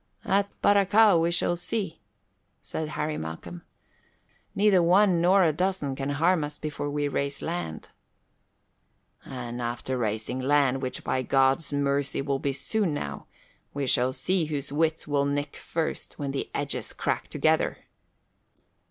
"At Baracao we shall see," said Harry Malcolm. "Neither one nor a dozen can harm us before we raise land." "And after raising land, which by God's mercy will be soon now, we shall see whose wits will nick first when the edges crack together."